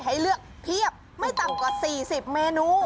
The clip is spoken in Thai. ให้เลือกเพียบไม่ต่ำกว่า๔๐เมนู